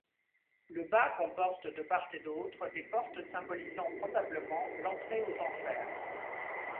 Le bas comporte, de part et d'autre des portes symbolisant probablement l'entrée aux enfers.